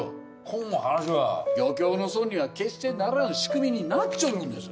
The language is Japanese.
こん話は漁協の損には決してならん仕組みになっちょるんです。